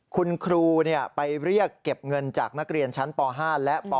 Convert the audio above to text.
คุณครูไปเรียกเก็บเงินจากนักเรียนชั้นป๕และป๔